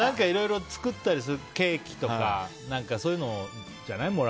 いろいろ作ったりするケーキとかそういうのじゃない？